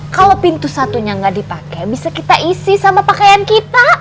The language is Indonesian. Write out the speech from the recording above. kalau pintu satunya nggak dipakai bisa kita isi sama pakaian kita